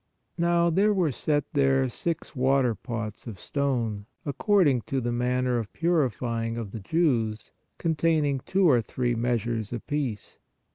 Now there were set there six water pots of stone, according to the manner of purifying of the Jews, containing two or three measures apiece.